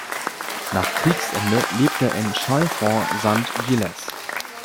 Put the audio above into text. Nach Kriegsende lebte er in Chalfont St Giles.